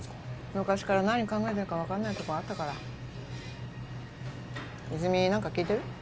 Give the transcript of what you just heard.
昔から何考えてるか分かんないとこあったから泉何か聞いてる？